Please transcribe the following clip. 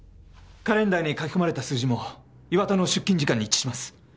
カレンダーに書き込まれた数字も岩田の出勤時間に一致します。